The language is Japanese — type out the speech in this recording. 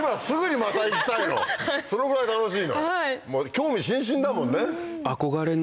興味津々だもんね。